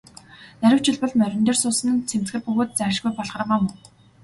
Нарийвчилбал, морин дээр суусан нь цэмцгэр бөгөөд зайлшгүй Балгармаа мөн.